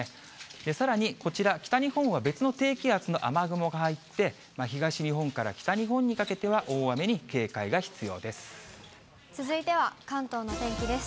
さらにこちら、北日本は別の低気圧の雨雲が入って、東日本から北日本にかけては大雨に警戒が必要です。